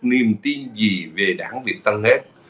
niềm tin gì về đảng việt tân hết